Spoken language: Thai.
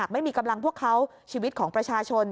ไม่มีกำลังพวกเขาชีวิตของประชาชน